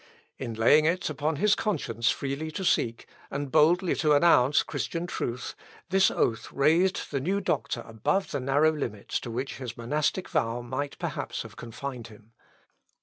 In laying it upon his conscience freely to seek, and boldly to announce Christian truth, this oath raised the new doctor above the narrow limits to which his monastic vow might perhaps have confined him.